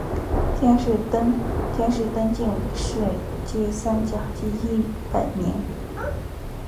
殿试登进士第三甲第一百名。